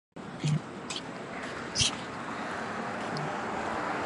蜍蝽为蜍蝽科蜍蝽属下的一个种。